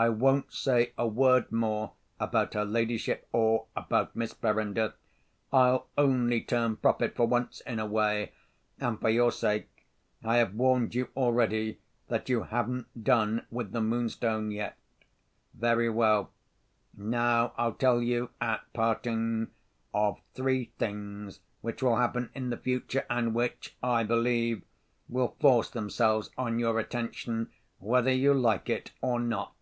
I won't say a word more about her ladyship, or about Miss Verinder—I'll only turn prophet, for once in a way, and for your sake. I have warned you already that you haven't done with the Moonstone yet. Very well. Now I'll tell you, at parting, of three things which will happen in the future, and which, I believe, will force themselves on your attention, whether you like it or not."